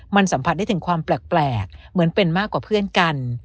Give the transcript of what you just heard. มันสัมผัสได้ถึงความแปลกเหมือนเป็นมากกว่าเพื่อนกัน